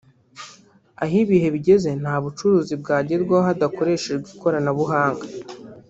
Aho ibihe bigeze nta bucuruzi bwagerwaho hadakoreshejwe ikoranabuhanga